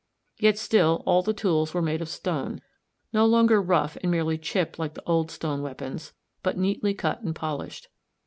Yet still all the tools were made of stone, no longer rough and merely chipped like the old stone weapons, but neatly cut and polished.